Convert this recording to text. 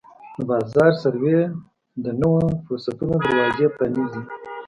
د بازار سروې د نویو فرصتونو دروازې پرانیزي.